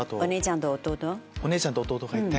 お姉ちゃんと弟。